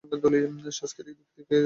সাংস্কৃতিক দিক থেকেও এই রাজ্য বেশ সমৃদ্ধ।